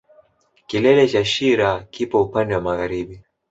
Kilele cha shira kipo upande wa magharibi